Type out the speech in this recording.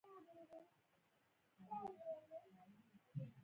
لولا د ولسمشر په توګه وټاکل شو.